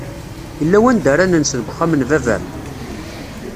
Illa wanda ara nens deg wexxam n baba-m?